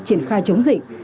triển khai chống dịch